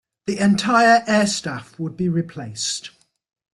The entire air staff would be replaced.